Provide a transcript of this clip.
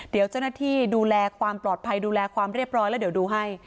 เดี๋ยวเจ้าหน้าที่ดูแลความปลอดภัยดูแลความเรียบร้อยแล้วเดี๋ยวดูให้